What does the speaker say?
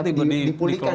tapi dibersihkan dipulihkan